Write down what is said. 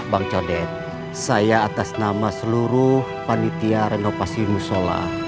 bang codet saya atas nama seluruh panitia renovasi musola